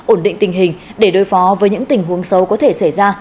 ổn định tình hình để đối phó với những tình huống xấu có thể xảy ra